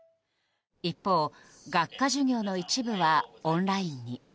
一方、学科授業の一部はオンラインに。